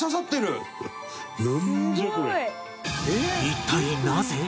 一体なぜ？